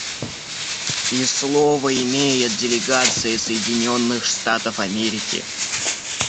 И слово имеет делегация Соединенных Штатов Америки.